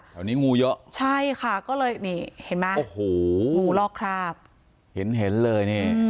แถวนี้งูเยอะใช่ค่ะก็เลยนี่เห็นมั้ยงูรอกคราบเห็นเลย